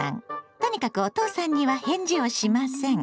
とにかくお父さんには返事をしません。